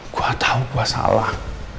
gua tahu gua salah